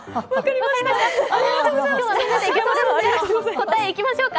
答えいきましょうか。